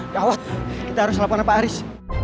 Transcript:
kawan kita harus telepon pak aris